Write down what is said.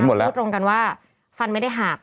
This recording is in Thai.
พูดตรงกันว่าฟันไม่ได้หัก